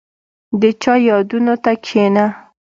• د چا یادونو ته کښېنه.